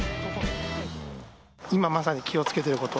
今まさに気をつけてること。